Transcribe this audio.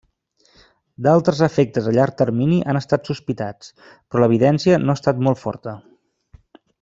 D’altres efectes a llarg termini han estat sospitats, però l'evidència no ha estat molt forta.